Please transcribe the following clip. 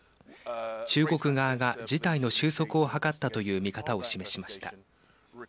中国側が事態の収束を図ったという見方を示しました。